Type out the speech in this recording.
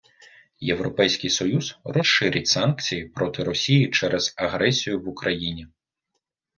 Європейський Союз розширить санкції проти Росії через агресію в Україні.